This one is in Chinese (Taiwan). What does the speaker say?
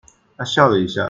她笑了一下